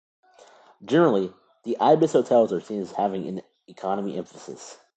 Generally, the Ibis hotels are seen as having an economy emphasis.